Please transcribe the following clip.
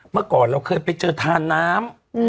เมื่อก่อนเราเคยไปเจอทานน้ำ